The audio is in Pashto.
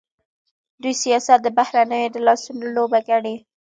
دوی سیاست د بهرنیو د لاسونو لوبه ګڼي.